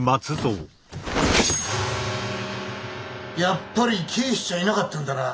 やっぱり返しちゃいなかったんだな。